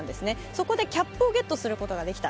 そこでキャップをゲットすることができた。